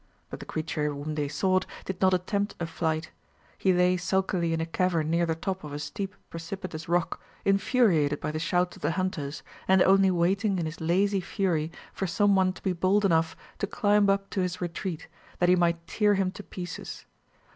But the creature whom they sought did not attempt a flight he lay sulkily in a cavern near the top of a steep precipitous rock, infuriated by the shouts of the hunters, and only waiting in his lazy fury for some one to be bold enough to climb up to his retreat, that he might tear him to pieces.